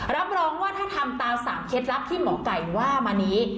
รับรองว่าถ้าทำตาม๓เค้ตรัพธ์ที่หมอกลัยว่ามานี้